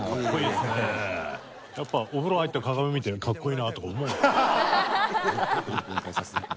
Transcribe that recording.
やっぱお風呂入って鏡見て格好いいなとか思うの？